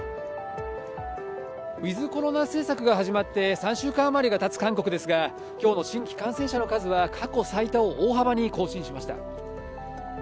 ウィズコロナ政策が始まって３週間余りがたつ韓国ですが、きょうの新規感染者の数は過去最多を大幅に更新しました。